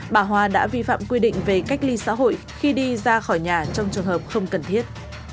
bà hoa đã vi phạm quy định về cách ly xã hội khi đi ra khỏi nhà trong trường hợp không cần thiết